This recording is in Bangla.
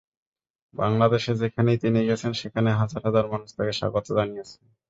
বাংলাদেশে যেখানেই তিনি গেছেন, সেখানে হাজার হাজার মানুষ তাঁকে স্বাগত জানিয়েছে।